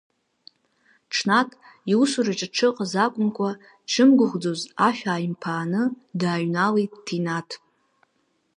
Ҽнак, иусураҿы дшыҟаз акәымкәа, дшымгәыӷӡоз, ашә ааимԥааны, дааҩналеит Ҭинаҭ.